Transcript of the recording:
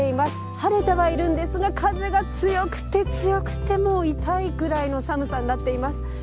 晴れてはいるんですが風が強くて強くてもう痛いぐらいの寒さになっています。